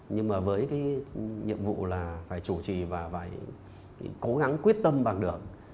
nhưng mà với cái nhiệm vụ là phải chủ trì và phải cố gắng quyết tâm bằng được